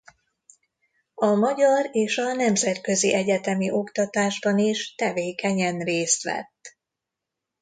A magyar és a nemzetközi egyetemi oktatásban is tevékenyen részt vett.